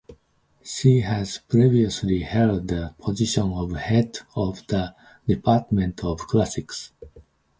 She has previously held the position of Head (Chair) of the Department of Classics.